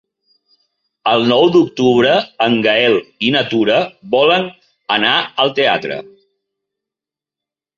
El nou d'octubre en Gaël i na Tura volen anar al teatre.